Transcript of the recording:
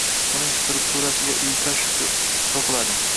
uning strukturasiga uyqash to‘qiladi.